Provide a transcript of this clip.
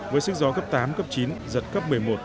với sức gió cấp tám cấp chín giật cấp một mươi một